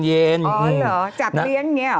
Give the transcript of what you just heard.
อ๋อเหรอจับเลี้ยงอย่างนี้หรอ